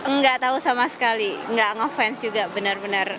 nggak tau sama sekali nggak ngefans juga bener bener